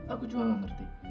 aku cuma mengerti